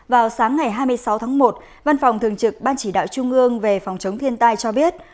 vào sáng ngày hai mươi sáu tháng một văn phòng thường trực ban chỉ đạo trung ương về phòng chống thiên tai cho biết